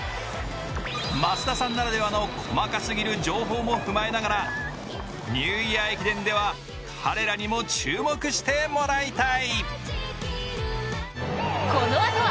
増田さんならではの細かすぎる情報も踏まえながら、ニューイヤー駅伝では彼らにも注目してもらいたい。